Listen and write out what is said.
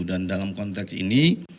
dan dalam konteks ini